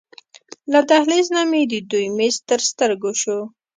له دهلېز نه مې د دوی میز تر سترګو شو.